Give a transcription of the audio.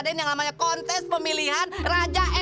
sekarang gua ditantangin lagi